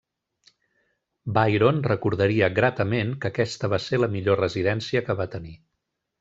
Byron recordaria gratament que aquesta va ser la millor residència que va tenir.